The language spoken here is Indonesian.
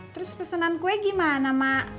terus pesanan kue gimana mak